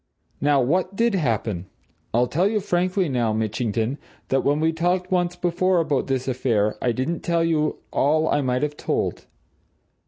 Now, what did happen? I'll tell you frankly, now, Mitchington, that when we talked once before about this affair, I didn't tell you all I might have told.